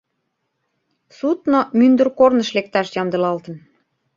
Судно мӱндыр корныш лекташ ямдылалтын.